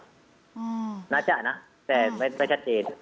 อืมน่าจะนะแต่ไม่ไม่ชัดเจน